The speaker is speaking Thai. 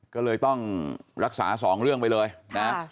ก็เลยต้องรักษาสองเรื่องไปเลยนะ